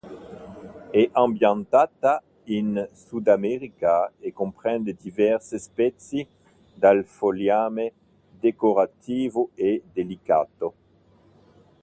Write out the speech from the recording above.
È ambientata in Sudamerica e comprende diverse specie dal fogliame decorativo e delicato.